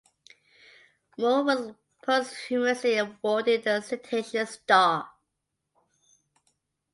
Moore was posthumously awarded the Citation Star.